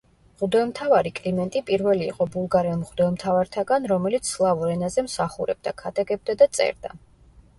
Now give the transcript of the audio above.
მღვდელმთავარი კლიმენტი პირველი იყო ბულგარელ მღვდელმთავართაგან, რომელიც სლავურ ენაზე მსახურებდა, ქადაგებდა და წერდა.